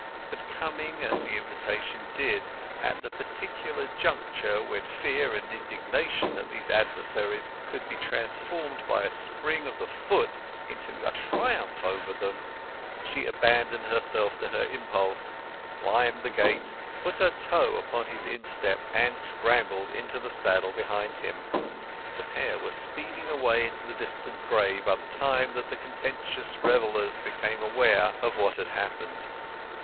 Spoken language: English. But coming as the invitation did at the particular juncture when fear and indignation at these adversaries could be transformed by a spring of the foot into a triumph over them, she abandoned herself to her impulse, climbed the gate, put her toe upon his instep, and scrambled into the saddle behind him. The pair were speeding away into the distant gray by the time that the contentious revellers became aware of what had happened.